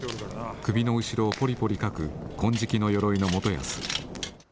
首の後ろをぽりぽりとかく金色の鎧の元康。